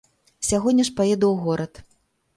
Сягоння ж паеду ў горад.